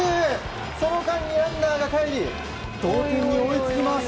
その間にランナーがかえり同点に追いつきます。